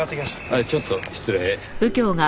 はいちょっと失礼。